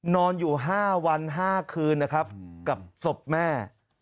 นอนอยู่๕วัน๕คืนกับจบแม่